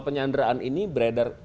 penyandraan ini brother